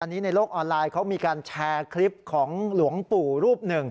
อันนี้ในโลกออนไลน์เขามีการแชร์คลิปของหลวงปู่รูปหนึ่ง